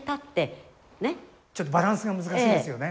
ちょっとバランスが難しいですよね。